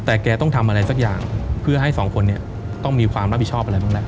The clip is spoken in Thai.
แต่แกต้องทำอะไรสักอย่างเพื่อให้สองคนต้องมีความรับผิดชอบแหละ